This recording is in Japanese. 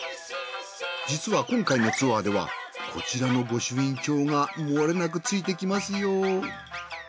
実は今回のツアーではこちらの御朱印帳がもれなくついてきますよ。